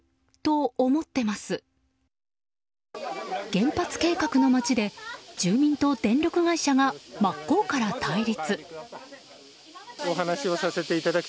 原発計画の町で住民と電力会社が真っ向から対立。